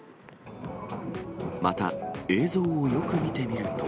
また、映像をよく見てみると。